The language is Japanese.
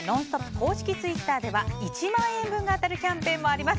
公式ツイッターでは１万円分が当たるキャンペーンもあります。